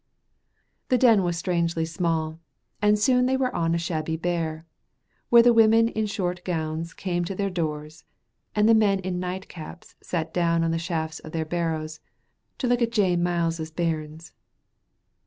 The Den was strangely small, and soon they were on a shabby brae, where women in short gowns came to their doors and men in night caps sat down on the shafts of their barrows to look at Jean Myles's bairns.